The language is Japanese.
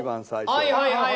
はいはいはいはい。